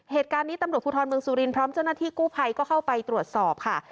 เหตุการณ์นี้ตำรวจภูทรเมืองสุรินทร์พร้อมเจ้าหน้าที่กู้ภัยก็เข้าไปตรวจสอบค่ะ